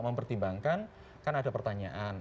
mempertimbangkan kan ada pertanyaan